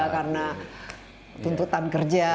karena tuntutan kerja